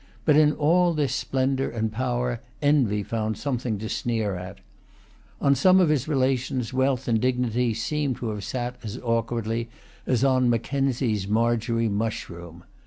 But in all this splendour and power envy found something to sneer at. On some of his relations wealth and dignity seem to have sat as awkwardly as on Mackenzie's Margery Mushroom.